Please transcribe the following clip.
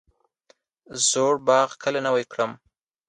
زوړ باغ کله نوی کړم؟